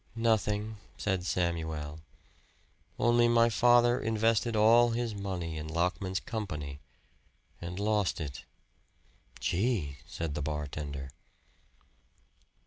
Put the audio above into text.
"Nothing," said Samuel, "only my father invested all his money in Lockman's company, and lost it." "Gee!" said the bartender.